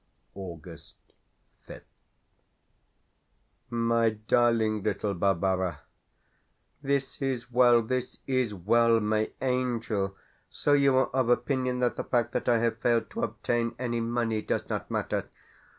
August 5th. MY DARLING LITTLE BARBARA, This is well, this is well, my angel! So you are of opinion that the fact that I have failed to obtain any money does not matter?